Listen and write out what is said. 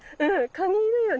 カニいるよね。